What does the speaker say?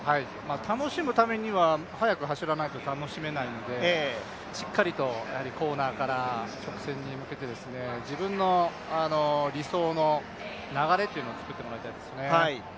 楽しむためには、速く走らないと楽しめないので、しっかりとコーナーから直線に向けて自分の理想の流れというのを作ってもらいたいですよね。